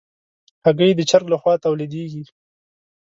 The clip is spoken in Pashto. هګۍ د چرګ له خوا تولیدېږي.